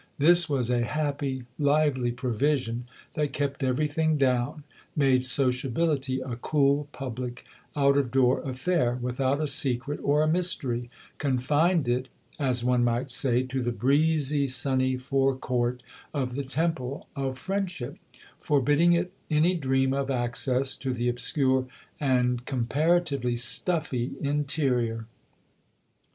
This was a happy, lively provision that kept every thing down, made sociability a cool, public, out of door affair, without a secret or a mystery confined 1 66 THE OTHER HOUSE it, as one might say, to the breezy, sunny forecourt of the temple of friendship, forbidding it any dream of access to the obscure and comparatively stuffy interior.